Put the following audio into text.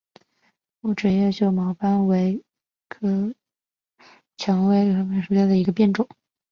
木齿叶锈毛石斑为蔷薇科石斑木属下的一个变种。